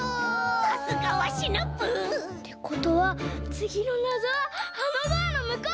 さすがはシナプー！ってことはつぎのなぞはあのドアのむこう！